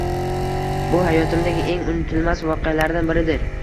Bu hayotimdagi eng unutilmas voqealardan biridir